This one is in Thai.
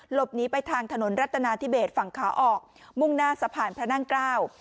หลบหนีไปทางถนนรัฐนาธิเบสฝั่งขาออกมุ่งหน้าสะพานพระนั่งเกล้า